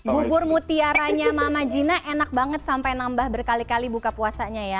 bubur mutiaranya mama gina enak banget sampai nambah berkali kali buka puasanya ya